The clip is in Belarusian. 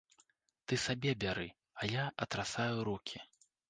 Ты сабе бяры, а я атрасаю рукі.